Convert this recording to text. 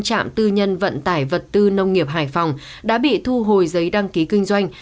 trạm tư nhân vận tải vật tư nông nghiệp hải phòng đã bị thu hồi giấy đăng ký kinh doanh